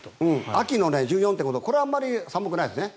秋の１４．５度これはあまり寒くないですね。